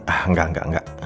ah enggak enggak enggak